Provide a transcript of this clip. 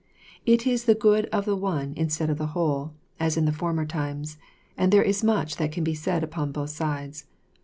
It is the good of the one instead of the whole, as in the former times, and there is much that can be said upon both sides.